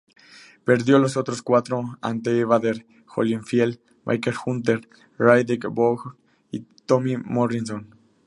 Perdió los otros cuatro ante Evander Holyfield, Mike Hunter, Riddick Bowe y Tommy Morrison.